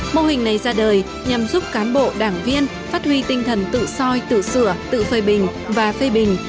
mô hình này ra đời nhằm giúp cán bộ đảng viên phát huy tinh thần tự soi tự sửa tự phê bình và phê bình